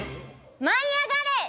舞い上がれ！